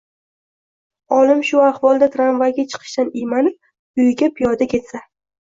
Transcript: Olim shu ahvolda tramvayga chiqishdan iymanib, uyiga piyoda ketsa